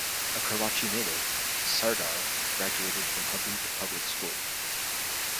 A Karachi native, Sardar graduated from Habib Public School.